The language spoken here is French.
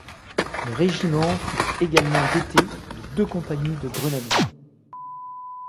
Le Régiment fut également doté de deux compagnies de grenadiers.